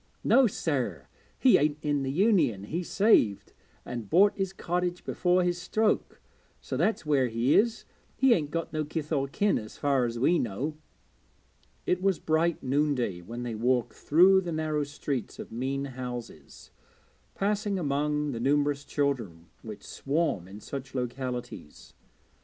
'No sir, he ain't in the Union; he saved, and bought his cottage before his stroke, so that's where he is. He ain't got no kith or kin, as far as we know.' It was bright noonday when they walked through the narrow streets of mean houses, passing among the numerous children which swarm in such localities.